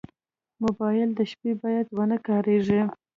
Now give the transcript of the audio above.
موبایل د شپې باید ونه کارېږي.